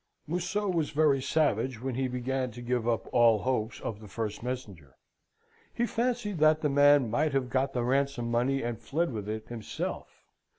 "Museau was very savage when he began to give up all hopes of the first messenger. He fancied that the man might have got the ransom money and fled with it himself.